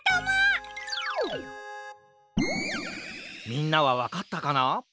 みんなはわかったかな？